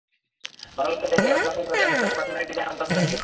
ভালো লাগল দেখে অধিকাংশই তাদের প্রাচীন বাড়ির ডিজাইন অবিকল বজায় রেখেছেন।